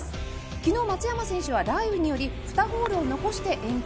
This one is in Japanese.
昨日松山選手は雷雨により２ホールを残して延期。